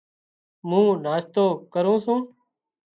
مُون ناشتو ڪرُون سُون۔